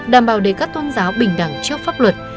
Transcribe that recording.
đảm bảo để các tôn giáo bình đẳng trước pháp luật